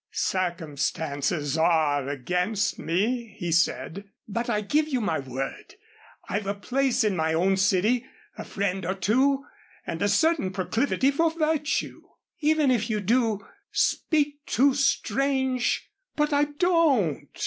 "Circumstances are against me," he said, "but I give you my word, I've a place in my own city, a friend or two, and a certain proclivity for virtue." "Even if you do speak to strange " "But I don't.